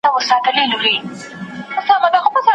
راځه راځه چي له نصیب څخه حساب وغواړو